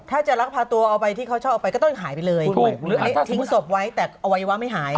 ถ้าจะลักพาตัวเอาไปที่เขาชอบเอาไปก็ต้องยังหายไปเลยถึงศพไว้แต่อวัยวะไม่หาย